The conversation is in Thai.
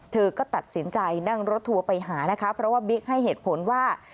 เธอก็ตัดสินใจนั่งรถทัวร์ไปหานะคะเพราะว่าบิ๊กให้เหตุผลว่า